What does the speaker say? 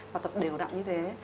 và tập đều đặn như thế